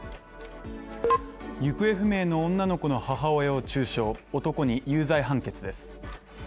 行方不明の女の子の母親を中傷、男に有罪判決です。